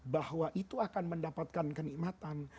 bahwa itu akan mendapatkan kenikmatan